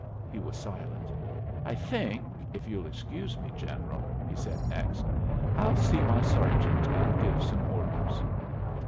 He was silent. "I think, if you'll excuse me, General," he said next, "I'll see my sergeant and give some orders."